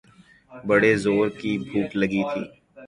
بڑے زورکی بھوک لگی تھی۔